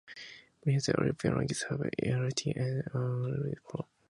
Many other European languages have one lateral and one rhotic phoneme.